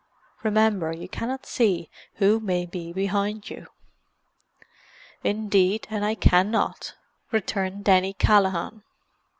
Remember you cannot see who may be behind you." "Indeed and I cannot," returned Denny Callaghan.